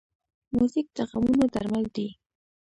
موزیک د غمونو درمل دی.